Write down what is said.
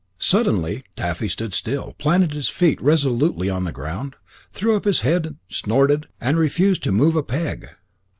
Suddenly, Taffy stood still, planted his feet resolutely on the ground, threw up his head, snorted, and refused to move a peg.